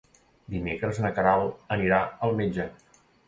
Dimecres na Queralt anirà al metge.